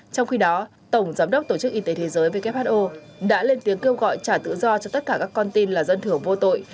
trong khi đó tổng giám đốc tổ chức y tế thế giới who đã lên tiếng kêu gọi trả tự do cho tất cả các con tin là dân thưởng vô tội